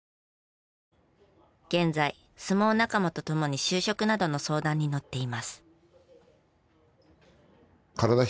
現在相撲仲間とともに就職などの相談にのっています。